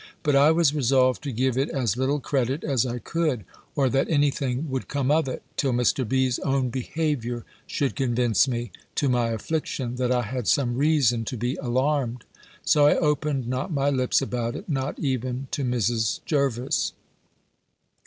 But I was resolved to give it as little credit as I could, or that any thing would come of it, till Mr. B.'s own behaviour should convince me, to my affliction, that I had some reason to be alarmed: so I opened not my lips about it, not even to Mrs. Jervis.